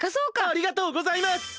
ありがとうございます！